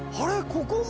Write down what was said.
ここも？